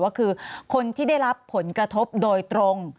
ก็คือคนที่ได้รับผลกระทบโดยตรง